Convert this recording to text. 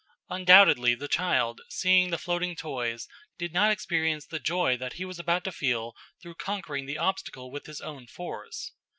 Undoubtedly the child, seeing the floating toys, did not experience the joy that he was about to feel through conquering the obstacle with his own force.